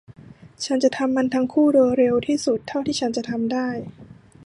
ฉันจะทำมันทั้งคู่โดยเร็วที่สุดเท่าที่ฉันจะทำได้